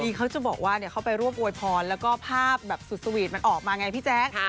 คือเขาจะบอกว่าเขาไปรวบอวยพรแล้วก็ภาพแบบสุดสวีทมันออกมาไงพี่แจ๊ค